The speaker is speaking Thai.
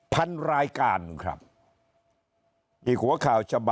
พันรายการครับ